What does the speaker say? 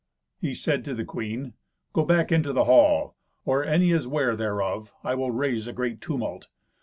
He said to the queen, "Go back into the hall. Or any is ware thereof, I will raise a great tumult.